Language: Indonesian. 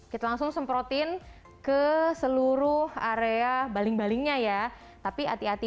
kita langsung semprotin ke seluruh area baling balingnya ya tapi hati hati